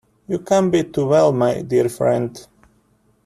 You can't be too well, my dear friend.